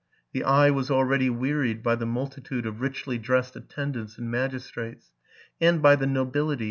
The eye was already wearied by the multitude of richly dressed attendants and magistrates, and by the nobility.